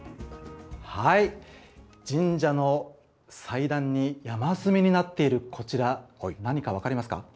神社の祭壇に山積みになっているこちら、何か分かりますか。